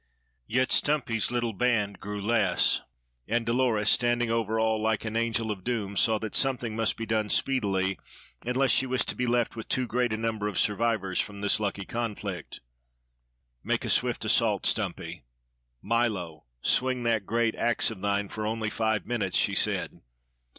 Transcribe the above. Yet Stumpy's little band grew less; and Dolores, standing over all like an Angel of Doom, saw that something must be done speedily unless she was to be left with too great a number of survivors from this lucky conflict. "Make a swift assault, Stumpy. Milo, swing that great ax of thine for only five minutes," she said.